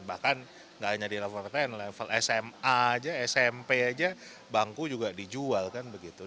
bahkan nggak hanya di level ptn level sma aja smp aja bangku juga dijual kan begitu